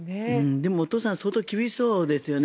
でもお父さん相当厳しそうですよね。